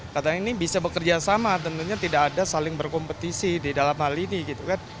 karena ini bisa bekerja sama tentunya tidak ada saling berkompetisi di dalam hal ini gitu kan